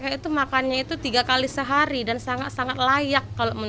karya parasiter di jakarta andrewana nih nama nama dia eddie